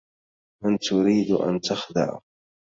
من تريد أن تخدع؟